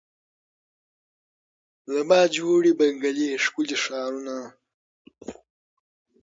له ما جوړي بنګلې ښکلي ښارونه